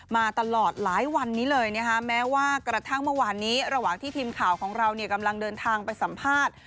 มาตลอดหลายวันนี้เลยนะคะแม้ว่ากระทั่งเมื่อวานนี้ระหว่างที่ทีมข่าวของเรากำลังเดินทางไปสัมภาษณ์